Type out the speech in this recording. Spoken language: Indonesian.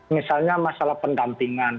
misalnya masalah pendampingan